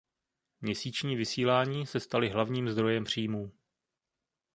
Měsíční vysílání se staly hlavním zdrojem příjmů.